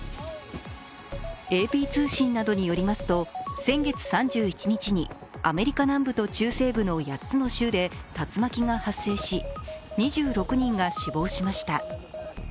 ＡＰ通信などによりますと、先月３１日にアメリカ南部と中西部の８つの州で竜巻が発生し、２６人が死亡しました。